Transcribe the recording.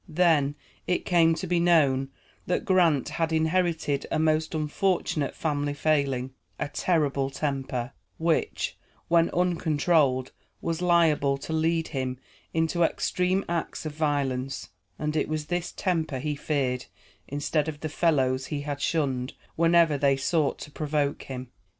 Then it came to be known that Grant had inherited a most unfortunate family failing, a terrible temper, which, when uncontrolled, was liable to lead him into extreme acts of violence; and it was this temper he feared, instead of the fellows he had shunned whenever they sought to provoke him.